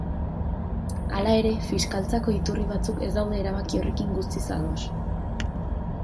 Hala ere, fiskaltzako iturri batzuk ez daude erabaki horrekin guztiz ados.